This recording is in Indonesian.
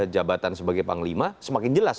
jabatan sebagai panglima semakin jelas